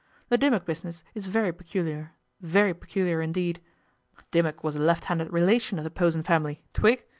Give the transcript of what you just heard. The Dimmock business is very peculiar very peculiar, indeed. Dimmock was a left handed relation of the Posen family. Twig?